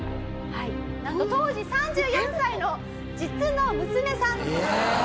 なんと当時３４歳の実の娘さん。